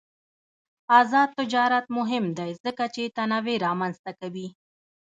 آزاد تجارت مهم دی ځکه چې تنوع رامنځته کوي.